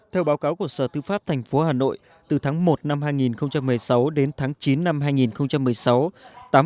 theo báo cáo của sở tư pháp tp hà nội từ tháng một năm hai nghìn một mươi sáu đến tháng chín năm hai nghìn một mươi sáu